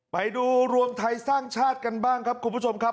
รวมไทยสร้างชาติกันบ้างครับคุณผู้ชมครับ